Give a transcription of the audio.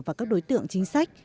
và các đối tượng chính sách